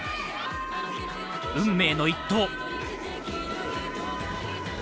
運命の一投。